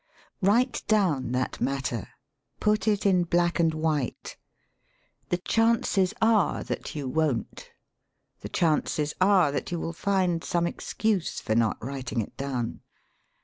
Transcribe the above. Write down that matter; put it in black and white. The chances are that you won't; the chances are that you wiU find some excuse for not writing it down.